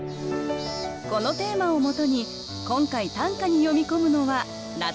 このテーマをもとに今回短歌に詠み込むのは「夏の虫」。